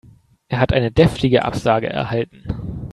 Er hat eine deftige Absage erhalten.